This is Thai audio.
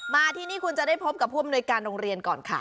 มาที่นี่คุณจะได้พบกับผู้อำนวยการโรงเรียนก่อนค่ะ